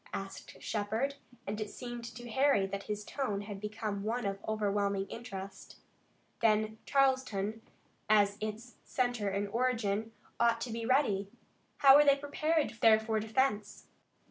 asked Shepard, and it seemed to Harry that his tone had become one of overwhelming interest. "Then Charleston, as its center and origin, ought to be ready. How are they prepared there for defense?"